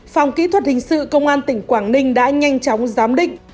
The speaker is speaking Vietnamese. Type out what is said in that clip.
phòng kỹ thuật hình sự công an tỉnh quảng ninh đã nhanh chóng giám định